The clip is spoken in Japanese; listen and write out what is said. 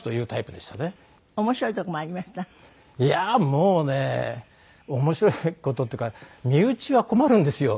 もうね面白い事っていうか身内は困るんですよ。